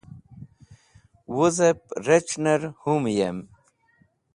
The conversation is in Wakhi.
wuz'ep rec̃h'ner humyem